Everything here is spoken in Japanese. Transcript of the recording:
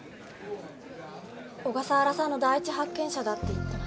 「小笠原さんの第一発見者」だって言ってます。